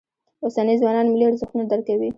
اوسني ځوانان ملي ارزښتونه درک کوي.